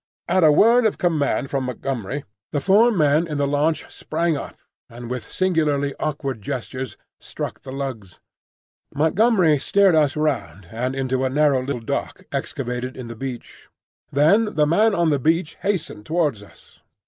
At a word of command from Montgomery, the four men in the launch sprang up, and with singularly awkward gestures struck the lugs. Montgomery steered us round and into a narrow little dock excavated in the beach. Then the man on the beach hastened towards us.